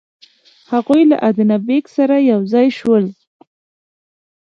هغوی له ادینه بېګ سره یو ځای شول.